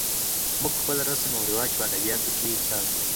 موږ خپل رسم و رواج په ادبیاتو کې ساتو.